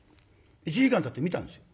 １時間たって見たんですよ。